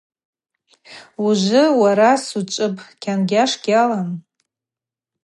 Ужвы уара сучӏвыпӏ, кьангьаш гьалам.